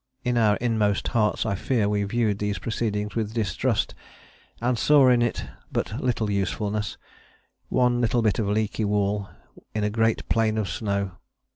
In our inmost hearts I fear we viewed these proceedings with distrust, and saw in it but little usefulness, one little bit of leaky wall in a great plain of snow.